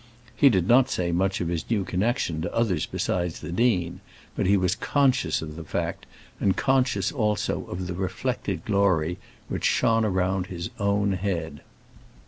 He did not say much of his new connection to others beside the dean, but he was conscious of the fact, and conscious also of the reflected glory which shone around his own head.